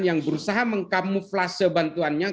yang berusaha mengkamuflase bantuannya